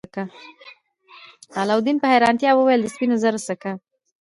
علاوالدین په حیرانتیا وویل د سپینو زرو سکه.